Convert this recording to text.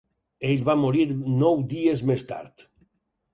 Ell va morir nou dies més tard.